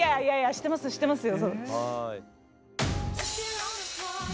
してますしてますよ。